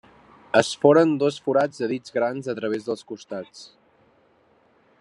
Es foren dos forats de dits grans a través dels costats.